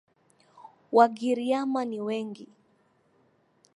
Wagiriama ni wengi.